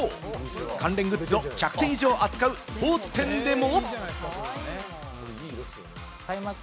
関連グッズを１００点以上扱うスポーツ店でも。